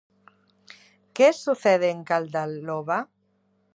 Que sucede en Caldaloba?